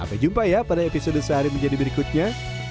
sampai jumpa ya pada episode sehari menjadi berikutnya